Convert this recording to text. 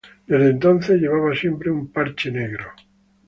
Desde entonces, llevaba siempre un parche negro.